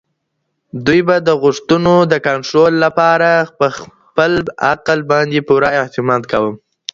دوی به د غوښتنو د کنټرول لپاره په خپل عقل باندي پوره اعتماد کاوه.